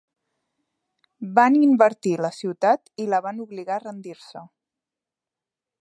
Van invertir la ciutat i la van obligar a rendir-se.